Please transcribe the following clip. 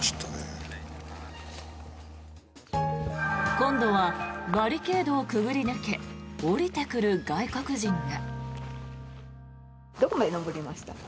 今度はバリケードをくぐり抜け下りてくる外国人が。